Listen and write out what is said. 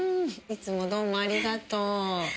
いつもどうもありがとう。